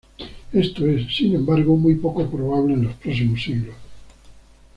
Esto es, sin embargo, muy poco probable en los próximos siglos.